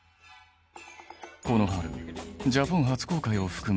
この春ジャポン初公開を含む